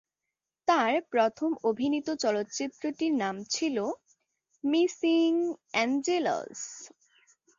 তার প্রথম অভিনীত চলচ্চিত্রটি নাম ছিল "মিসিং এঞ্জেলস"।